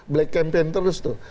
black campaign terus tuh